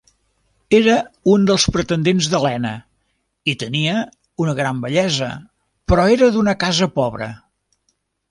Era un dels pretendents d'Helena i tenia una gran bellesa però era d'una casa pobra.